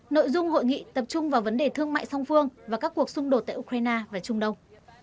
nội dung hội nghị tập trung vào vấn đề thương mại song phương và các cuộc xung đột tại ukraine và trung đông